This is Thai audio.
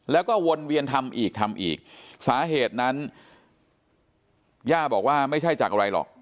แล้วก็วนเวียนทำอีกทำอีกสาเหตุนั้นย่าบอกว่าไม่ใช่จากอะไรหรอก